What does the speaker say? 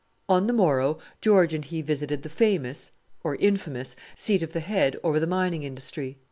On the morrow George and he visited the famous or infamous seat of the Head over the mining industry.